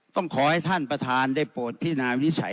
ต้องขอให้ท่านประธานได้โปรดพินาวินิจฉัย